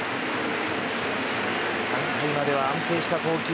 ３回までは安定した投球。